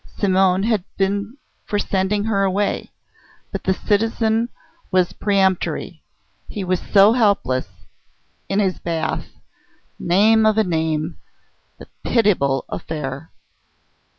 Simonne had been for sending her away. But the citizen was peremptory. And he was so helpless ... in his bath ... name of a name, the pitiable affair!